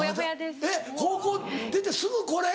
えっ高校出てすぐこれ？